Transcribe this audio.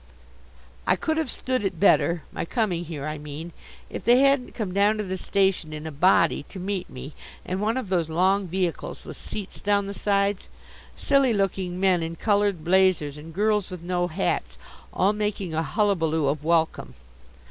I could have stood it better my coming here, I mean if they hadn't come down to the station in a body to meet me in one of those long vehicles with seats down the sides: silly looking men in coloured blazers and girls with no hats, all making a hullabaloo of welcome.